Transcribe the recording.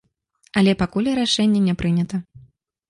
Але пакуль рашэнне не прынята.